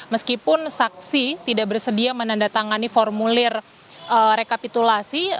meskipun saksi tidak bersedia menandatangani formulir rekapitulasi